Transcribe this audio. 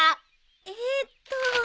えーっと。